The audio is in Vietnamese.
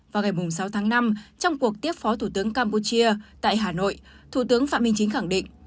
vào ngày sáu tháng năm trong cuộc tiếp phó thủ tướng campuchia tại hà nội thủ tướng phạm minh chính khẳng định